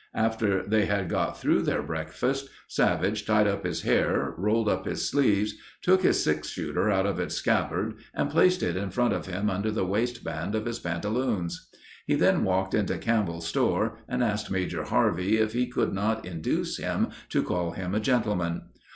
After they had got through their breakfast, Savage tied up his hair, rolled up his sleeves, took his six shooter out of its scabbard and placed it in front of him under the waistband of his pantaloons. He then walked into Campbell's store and asked Major Harvey if he could not induce him to call him a gentleman.